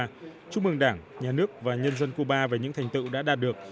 tổng bí thư trung ương đảng nhà nước và nhân dân cuba về những thành tựu đã đạt được